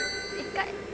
１回。